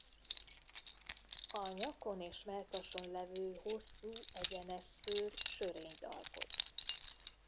A nyakon és mellkason levő hosszú egyenes szőr sörényt alkot.